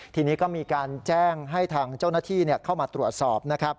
ทีนี้ก็มีการแจ้งให้ทางเจ้าหน้าที่เข้ามาตรวจสอบนะครับ